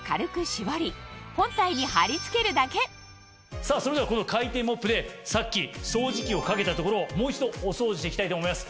さぁそれではこの回転モップでさっき掃除機をかけた所をもう一度お掃除していきたいと思います。